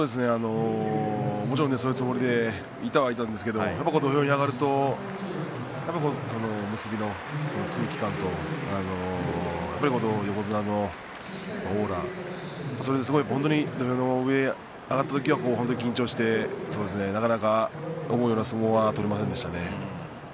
もちろんそういうつもりでいたはいたんですけれど土俵に上がると結びの空気感とやっぱり横綱のオーラ本当に土俵の上に上がった時には緊張してなかなか思うような相撲は取れませんでしたね。